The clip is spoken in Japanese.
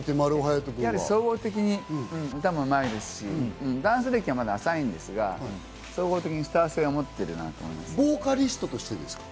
総合的に歌もうまいですし、ダンス歴は浅いんですが、総合的にスター性を持っているなと思いボーカリストとしてですか？